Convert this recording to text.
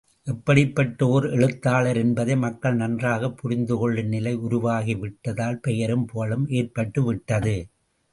எப்படிப்பட்ட ஓர் எழுத்தாளர் என்பதை மக்கள் நன்றாகப் புரிந்துகொள்ளும் நிலை உருவாகிவிட்டதால் பெயரும் புகழும் ஏற்பட்டு விட்டது.